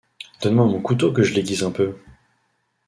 Donne-moi mon couteau que je l’aiguise un peu.